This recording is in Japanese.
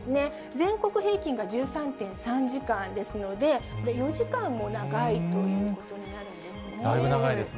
全国平均が１３．３時間ですので、４時間も長いということになるんですね。